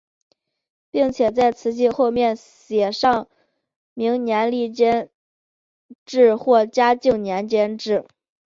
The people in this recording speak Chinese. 并且在瓷器后面写上明万历年间制或嘉靖年间制。